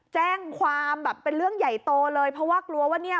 แจ้งความแบบเป็นเรื่องใหญ่โตเลยเพราะว่ากลัวว่าเนี่ย